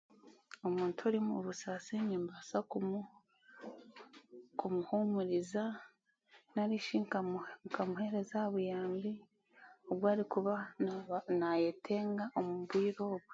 Omuntu ari mubusaasi nimbaasa kumu kumuhuumuriza narishi nkamuha nkamuheeereza aha buyambi obwarikuba naayetenga mu bwire obwo.